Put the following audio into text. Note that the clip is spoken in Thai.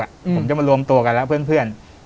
ผมจะมารวมตัวกันแล้วเพื่อน